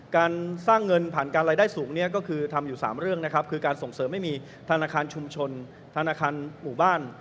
การสร้างเงินผ่านการรายได้สูงเนี่ยก็คือทำอยู่๓เรื่องนะครับคือการส่งเสริมให้มีธนาคารชุมชนธนาคารหมู่บ้าน